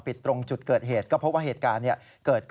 การงั้นเข้าพันธุรกิจระดูก